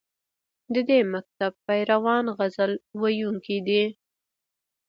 د دې مکتب پیروان غزل ویونکي دي